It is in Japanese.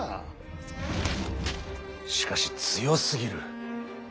しかし強すぎる。